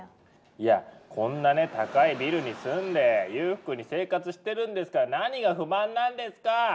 いやこんなね高いビルに住んで裕福に生活してるんですから何が不満なんですか？